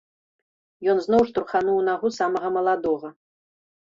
Ён зноў штурхануў у нагу самага маладога.